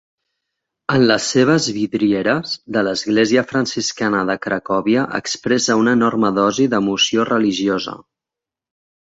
En les seves vidrieres de l'església franciscana de Cracòvia expressa una enorme dosi d'emoció religiosa.